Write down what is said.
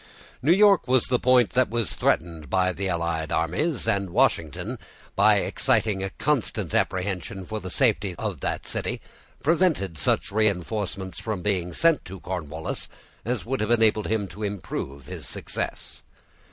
New York was the point that was threatened by the allied armies; and Washington, by exciting a constant apprehension for the safety of that city, prevented such reënforcements from being sent to Cornwallis as would have enabled him to improve his success.